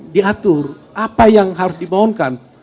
diatur apa yang harus dimohonkan